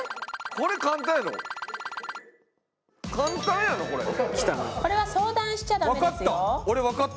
これは相談しちゃダメですよ。